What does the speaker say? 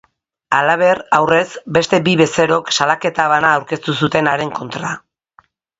Halaber, aurrez, beste bi bezerok salaketa bana aurkeztu zuten haren kontra.